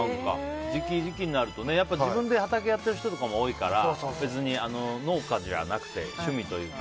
時期になるとね、やっぱり自分で畑やってる人とかも多いから別に農家じゃなくて趣味というか。